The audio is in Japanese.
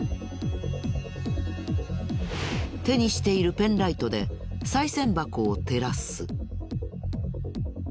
手にしているペンライトでさい銭箱を照らす。